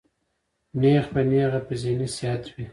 نېغ پۀ نېغه پۀ ذهني صحت وي